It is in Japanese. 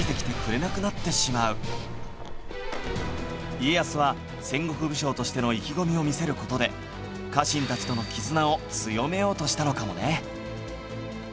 家康は戦国武将としての意気込みを見せる事で家臣たちとの絆を強めようとしたのかもね